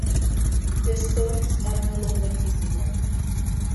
The stones are no longer visible.